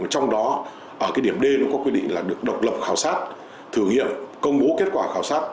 trong đó ở cái điểm d nó có quy định là được độc lập khảo sát thử nghiệm công bố kết quả khảo sát